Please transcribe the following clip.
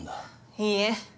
いいえ。